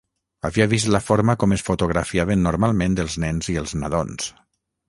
Havia vist la forma com es fotografiaven normalment els nens i els nadons.